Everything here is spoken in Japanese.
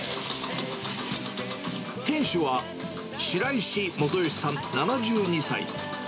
店主は、白石元好さん７２歳。